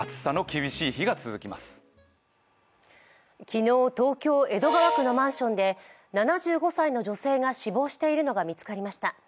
昨日、東京・江戸川区のマンションで７５歳の女性が死亡しているのが見つかりました。